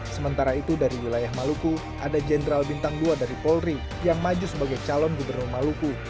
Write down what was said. sementara itu dari wilayah maluku ada jenderal bintang dua dari polri yang maju sebagai calon gubernur maluku